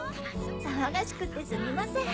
騒がしくってすみません。